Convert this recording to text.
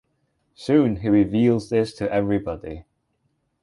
Soon he reveals this to everybody.